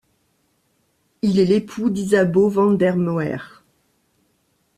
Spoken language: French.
Il est l'époux d'Isabeau van der Moere.